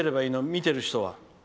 見てる人は。